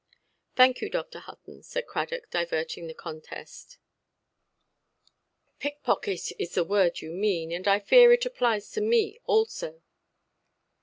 "Thank you, Dr. Hutton", said Cradock, diverting the contest; "λωποδύτης is the word you mean. And I fear it applies to me also".